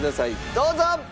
どうぞ！